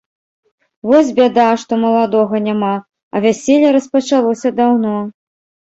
Вось бяда, што маладога няма, а вяселле распачалося даўно.